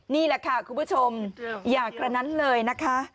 นี่แหละค่ะคุณผู้ชมอย่ากระนั้นเลยนะคะ